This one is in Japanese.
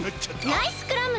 ナイスクラム！